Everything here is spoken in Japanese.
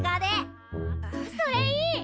それいい！